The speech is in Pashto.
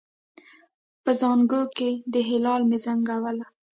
په زانګو کې د هلال مې زنګوله